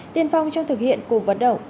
tiên phong trong thực hiện của vận động